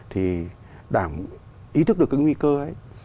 thì đảng ý thức được cái nguy cơ ấy